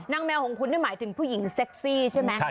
แมวของคุณนี่หมายถึงผู้หญิงเซ็กซี่ใช่ไหม